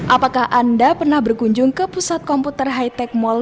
apakah anda pernah berkunjung ke pusat komputer hitech mall